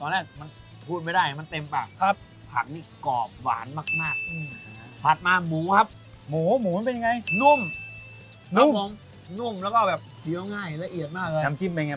น้ำจิ้มมีออกด้วยเป็นนิดนึง